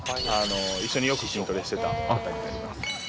一緒によく筋トレしてた方になります。